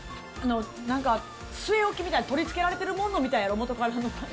なんか据え置きみたいに取り付けられているもんみたいやろ、もとから。